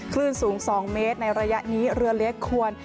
คลื่นสูง๒เมตรในระยะนี้เรือเล็กควร